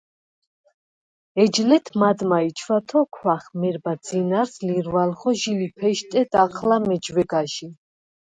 ეჯ ლეთ მადმა ი ჩვათოქვახ მერბა ძინარს ლირვალხო ჟი ლიფეშტე დაჴლა მეჯვეგაჟი.